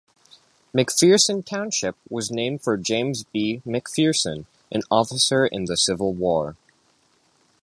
McPherson Township was named for James B. McPherson, an officer in the Civil War.